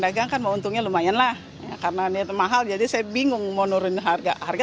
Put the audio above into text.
dagangkan menguntungi lumayanlah karena niat mahal jadi saya bingung mau nurun harga harga